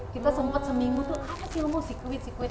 kita sempat seminggu tuh apa sih ngomong sikuit sikuit